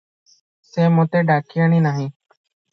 ସେ ମୋତେ ଡାକିଆଣି ନାହିଁ ।